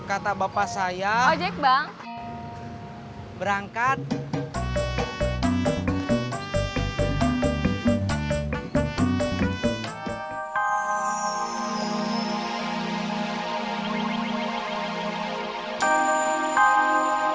antara tukang ojek dengan langganan